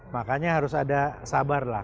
makanya harus ada sabar lah